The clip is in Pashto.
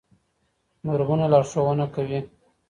نورمونه لارښوونه کوي.